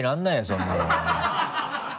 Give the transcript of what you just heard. そんなのは。